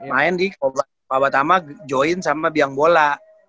main di babatama join sama biang bola